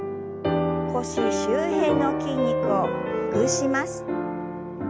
腰周辺の筋肉をほぐします。